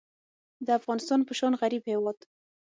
د افغانستان په شان غریب هیواد